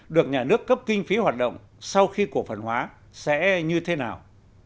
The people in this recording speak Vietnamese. được nhà nước cấp kinh phí hoạt động sau khi cổ phần hóa sẽ như thế nào